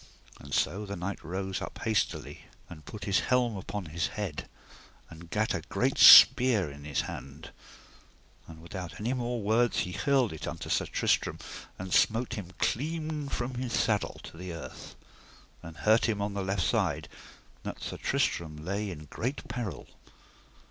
And so the knight rose up hastily and put his helm upon his head, and gat a great spear in his hand; and without any more words he hurled unto Sir Tristram, and smote him clean from his saddle to the earth, and hurt him on the left side, that Sir Tristram lay in great peril.